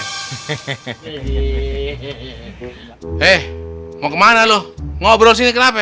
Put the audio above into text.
heee mau kemana lo ngobrol sini kenapa ya